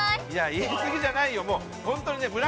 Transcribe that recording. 言いすぎじゃないよ。